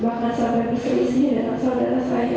bahkan sampai berseizi dan masalahnya saya